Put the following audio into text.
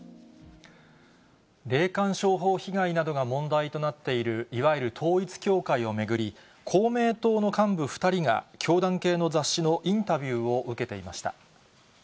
霊感商法被害などが問題となっている、いわゆる統一教会を巡り、公明党の幹部２人が、教団系の雑誌のインタビューを受けていました。